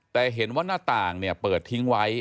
แต่เห็นว่าหน้าต่างเปิดทิ้งไว้